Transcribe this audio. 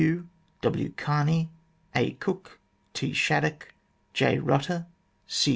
Thew, W. Carney, A. Cook, T. Shaddock, J. Butter, C.